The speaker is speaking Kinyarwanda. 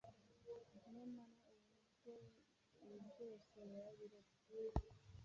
nyamara ubu bwo ibi byose yarabiretse.